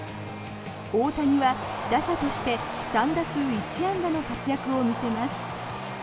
大谷は打者として３打数１安打の活躍を見せます。